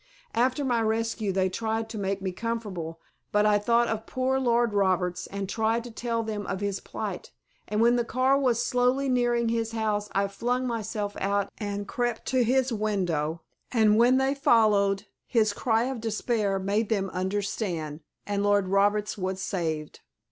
After my rescue they tried to make me comfortable but I thought of poor Lord Roberts and tried to tell them of his plight, and when the car was slowly nearing his house I flung myself out and crept to his window and when they followed, his cry of despair made them understand, and Lord Roberts was saved!